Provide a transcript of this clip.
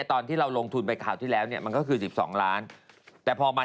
สงบชั้นหยอมไม่สงบอย่างนี้ดีกว่า